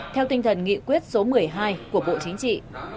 theo tinh thần nghị quyết số một mươi hai của bộ chính trị